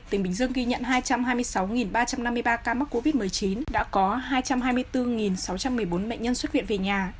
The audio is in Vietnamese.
tỉnh bình dương ghi nhận hai trăm hai mươi sáu ba trăm năm mươi ba ca mắc covid một mươi chín đã có hai trăm hai mươi bốn sáu trăm một mươi bốn bệnh nhân xuất viện về nhà